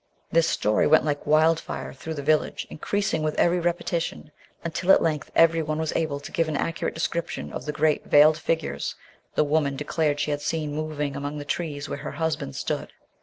This story went like wild fire through the village, increasing with every repetition, until at length everyone was able to give an accurate description of the great veiled figures the woman declared she had seen moving among the trees where her husband stood.